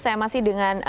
saya masih dengan